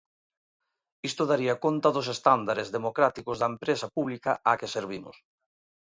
Isto daría conta dos estándares democráticos da empresa pública á que servimos.